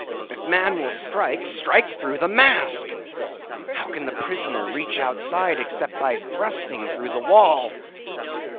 If man will strike, strike through the mask! How can the prisoner reach outside except by thrusting through the wall?